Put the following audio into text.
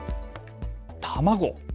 卵。